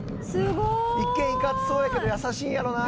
一見いかつそうやけど優しいんやろな。